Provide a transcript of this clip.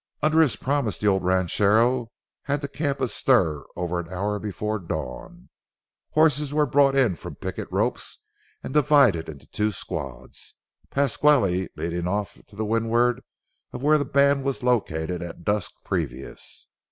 Under his promise the old ranchero had the camp astir over an hour before dawn. Horses were brought in from picket ropes, and divided into two squads, Pasquale leading off to the windward of where the band was located at dusk previous.